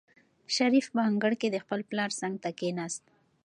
شریف په انګړ کې د خپل پلار څنګ ته کېناست.